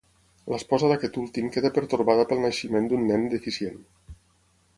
L'esposa d'aquest últim queda pertorbada pel naixement d'un nen deficient.